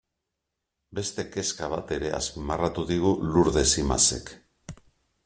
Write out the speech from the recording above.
Beste kezka bat ere azpimarratu digu Lurdes Imazek.